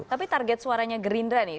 tapi target suaranya gerindra nih